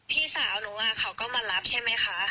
พี่สาวหนูเขาก็มารับใช่ไหมคะ